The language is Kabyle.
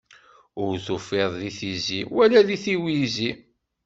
Ur t-ufiɣ di tizi, wala di tiwizi.